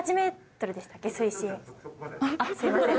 あっすみません